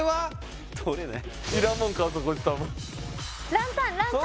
ランタンランタン